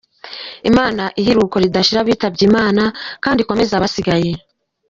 Imana ihe iruhuko ridashira abitabye Imana kandi ikomeze abasigaye.